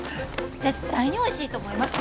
絶対においしいと思います！